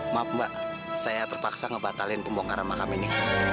maaf mbak saya terpaksa ngebatalin pembongkaran makam ini